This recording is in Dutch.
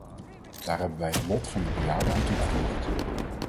Daar hebben wij het lot van de bejaarden aan toegevoegd.